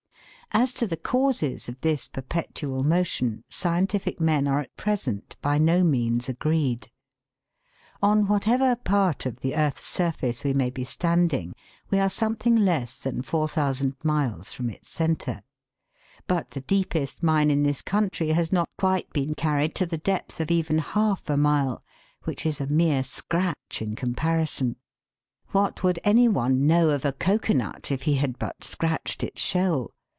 As to the causes of this perpetual motion scientific men are at present by no means agreed. On whatever part of the earth's surface we may be standing we are something less than 4,000 miles from its centre; but the deepest mine in this country has not quite been carried to the depth of even half a mile, which is a mere scratch in comparison. What would any one know of a cocoanut if he had but scratched its shell